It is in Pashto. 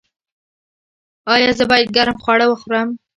ایا زه باید ګرم خواړه وخورم؟